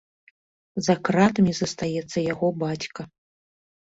За кратамі застаецца яго бацька.